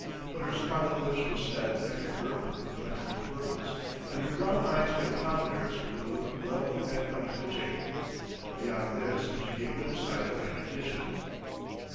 But her scarlet lips were set and firm with inflexible purpose, and her brown eyes met Calendar's with a look level and unflinching. Beyond this she gave no sign of recognition.